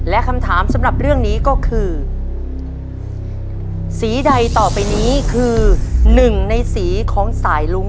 และคำถามสำหรับเรื่องนี้ก็คือสีใดต่อไปนี้คือหนึ่งในสีของสายลุ้ง